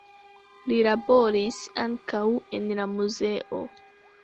Li laboris ankaŭ en la muzeo.